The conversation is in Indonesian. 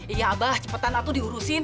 iya abah cepetan aku diurusin